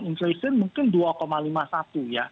inflation mungkin dua lima puluh satu ya